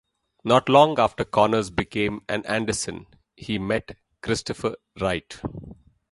Not long after Connors became an Anderson he met Christopher Wright.